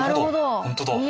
ホントだ。